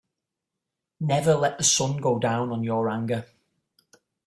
Never let the sun go down on your anger.